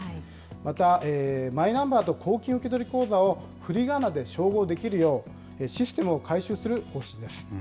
また、マイナンバーと公金受取口座をふりがなで照合できるよう、システムを改修する方針です。